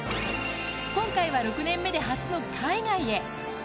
今回は６年目で初の海外へ。